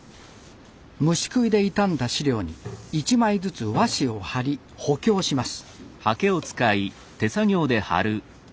虫食いで傷んだ史料に１枚ずつ和紙を貼り補強します。